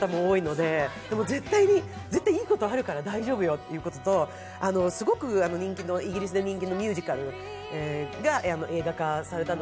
でも絶対に、絶対いいことあるから大丈夫よっていうことと、イギリスで人気のミュージカルが映画化されたの。